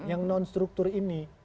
yang non struktur ini